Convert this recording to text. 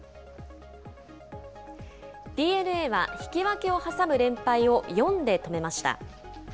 ＤｅＮＡは引き分けを挟む連敗を４で止めました。